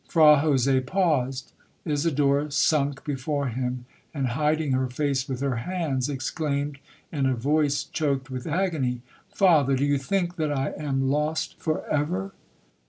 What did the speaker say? Fra Jose paused. Isidora sunk before him, and, hiding her face with her hands, exclaimed in a voice choaked with agony, 'Father, do you think—that I am—lost for ever?'